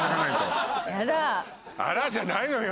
「あら」じゃないのよ！